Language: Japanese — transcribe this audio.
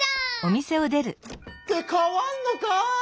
ってかわんのかい！